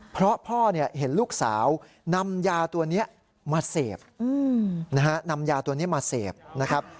เพราะพ่อเนี่ยเห็นลูกสาวนำยาตัวเนี่ยมาเสพนำยาตัวเนี่ยมาเสพนะครับ